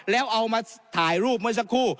แล้วเอามาถ่ายรูปเมื่อสักครู่